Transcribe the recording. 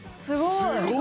すごい！